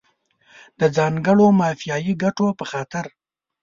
د ځانګړو مافیایي ګټو په خاطر.